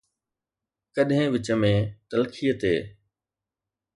ڪڏهن وچ ۾ تلخيءَ تي